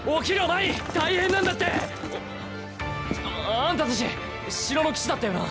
あんたたち城の騎士だったよな。